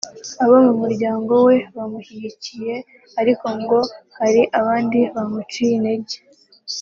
abo mu muryango we bamushyigikiye ariko ngo hari abandi bamuciye intege